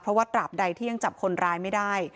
เพราะว่าตราบใดที่ยังจับคนร้ายไม่ได้